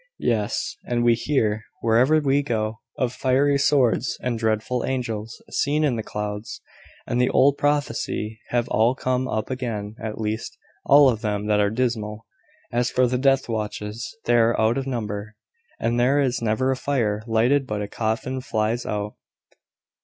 "Yes; and we hear, wherever we go, of fiery swords, and dreadful angels, seen in the clouds; and the old prophecies have all come up again at least, all of them that are dismal. As for the death watches, they are out of number; and there is never a fire lighted but a coffin flies out."